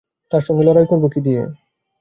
তার সঙ্গে লড়াই করব কী দিয়ে।